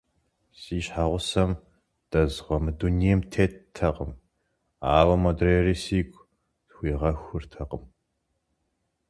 Си щхьэгьусэм дэзгъуэ мы дунейм теттэкъым, ауэ модрейри сигу схуигъэхуртэкъым.